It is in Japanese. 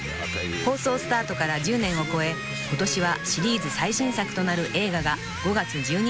［放送スタートから１０年を超え今年はシリーズ最新作となる］